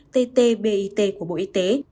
tt bit của bộ y tế